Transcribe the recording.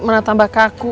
mana tambah kaku